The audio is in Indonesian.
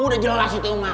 udah jelas itu emang